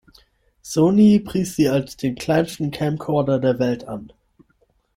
Sony pries sie als den kleinsten Camcorder der Welt an.